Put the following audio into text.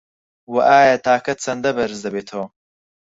وه ئایا تاکەت چەندە بەرز دەبێتەوه